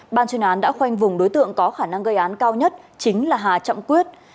ban chuyên án đã khoanh vùng đối tượng có khả năng gây án cao nhất chính là hà trọng quyết